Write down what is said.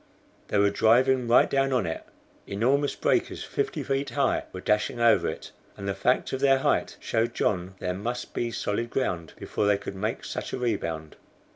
They were driving right down on it. Enormous breakers fifty feet high were dashing over it, and the fact of their height showed John there must be solid ground before they could make such a rebound.